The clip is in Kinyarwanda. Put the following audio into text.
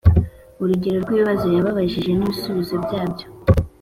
Urugero rw’ibibazo yababaza n’ibisubizo byabyo